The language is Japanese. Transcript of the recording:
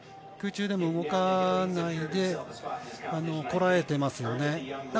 空中でも動かないでこらえてますよね。